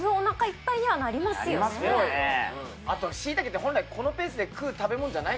あと椎茸って本来このペースで食う食べ物じゃないからね。